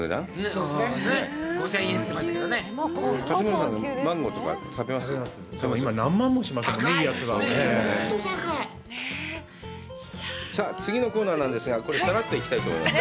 さあ、次のコーナーなんですが、これ、さらっと行きたいと思います。